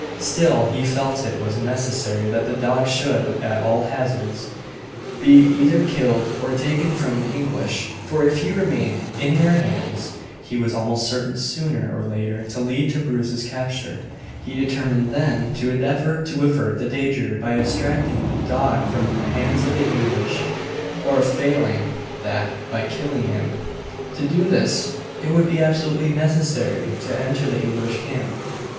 Still, he felt it was necessary that the dog should, at all hazards, be either killed or taken from the English, for if he remained in their hands he was almost certain sooner or later to lead to Bruce's capture. He determined then to endeavour to avert the danger by abstracting the dog from the hands of the English, or, failing that, by killing him. To do this it would be absolutely necessary to enter the English camp.